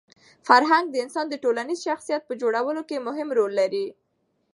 فرهنګ د انسان د ټولنیز شخصیت په جوړولو کي مهم رول لري.